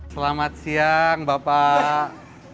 selamat siang bapak